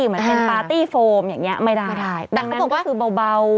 เหมือนเป็นปาร์ตี้โฟมอย่างนี้ไม่ได้ดังนั้นก็คือเบา